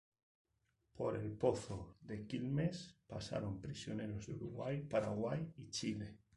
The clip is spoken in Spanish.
Por el Pozo de Quilmes pasaron prisioneros de Uruguay, Paraguay y Chile.